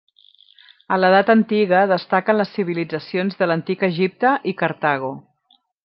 A l'edat antiga destaquen les civilitzacions de l'Antic Egipte i Cartago.